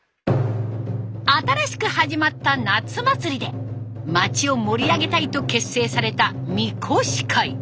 新しく始まった夏祭りで町を盛り上げたいと結成された神輿会。